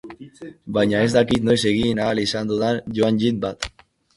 Baina ez dakit noiz egin ahal izanen dudan joan-jin bat.